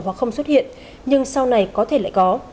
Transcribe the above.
và không xuất hiện nhưng sau này có thể lại có